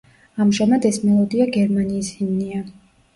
ამჟამად ეს მელოდია გერმანიის ჰიმნია.